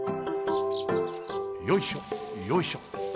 よいしょよいしょ。